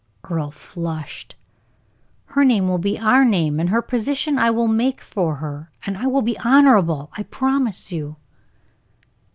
Earle flushed. "Her name will be our name, and her position I will make for her; and it will be honorable, I promise you."